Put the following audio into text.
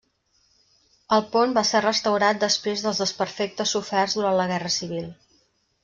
El pont va ser restaurat després dels desperfectes soferts durant la guerra civil.